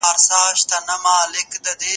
هندوانه اوبه لري.